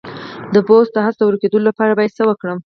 د بوی د حس د ورکیدو لپاره باید څه وکړم؟